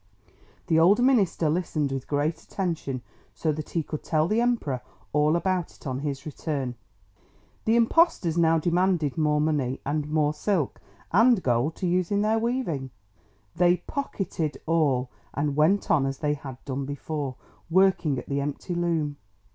The old minister listened with great attention, so that he could tell the Emperor all about it on his return. The impostors now demanded more money, and more silk and gold to use in their weaving. They pocketed all, and went on as they had done before, working at the empty loom.